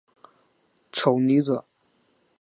丑妮子。